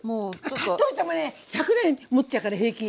買っといてもね１００年もっちゃうから平気。